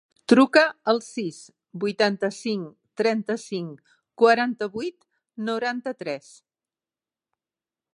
Truca al sis, vuitanta-cinc, trenta-cinc, quaranta-vuit, noranta-tres.